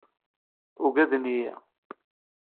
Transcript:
Ugaden-iyi.